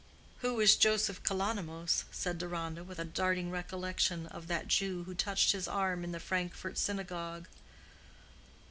"Who is Joseph Kalonymos?" said Deronda, with a darting recollection of that Jew who touched his arm in the Frankfort synagogue.